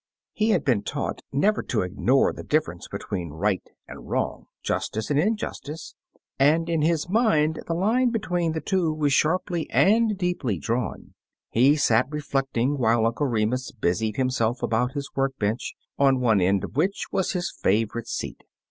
He had been taught never to ignore the difference between right and wrong — jus tice and injustice — and in his mind the line between the two was sharply and deeply drawn. He sat reflecting, while Uncle Remus busied himself about his work bench, on one end of which was his favorite seat.